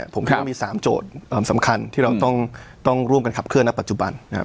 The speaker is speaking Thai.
ผมคิดว่ามี๓โจทย์สำคัญที่เราต้องร่วมกันขับเคลื่อนะปัจจุบันนะครับ